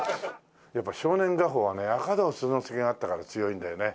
やっぱり『少年画報』はね『赤胴鈴之助』があったから強いんだよね。